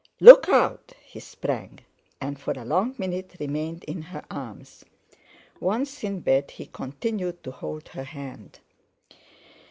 Look out!" He sprang, and for a long minute remained in her arms. Once in bed, he continued to hold her hand.